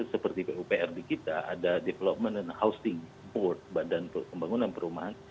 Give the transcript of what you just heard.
seperti pupr di kita ada development and hosting award badan pembangunan perumahan